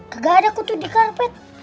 kalau kulit pm